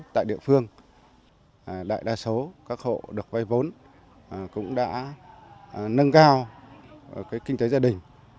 tại địa phương đại đa số các hộ được vay vốn cũng đã nâng cao kinh tế gia đình